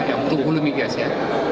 untuk hulu migas ya